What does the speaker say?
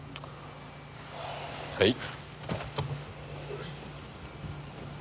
はい。